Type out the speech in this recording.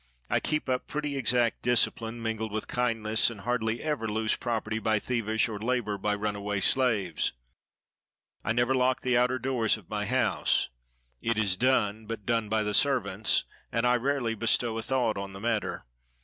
I keep up pretty exact discipline, mingled with kindness, and hardly ever lose property by thievish, or labor by runaway slaves. I never lock the outer doors of my house. It is done, but done by the servants; and I rarely bestow a thought on the matter.